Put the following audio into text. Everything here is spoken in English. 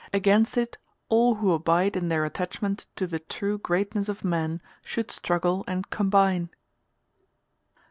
Against it all who abide in their attachment to the true greatness of man should struggle and combine.